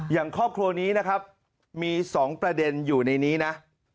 อย่างครอบครัวนี้นะครับมี๒ประเด็นอยู่ในนี้นะ